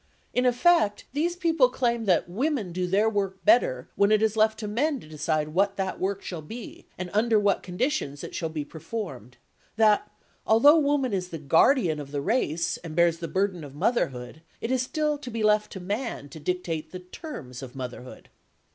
In effect these people claim that women do their work better when it is left to men to decide what that work shall be and under what conditions it shall be performed; that, although woman is the guardian of the race, and bears the burden of motherhood, it is still to be left to man to dictate the terms of motherhood.